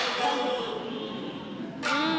うん。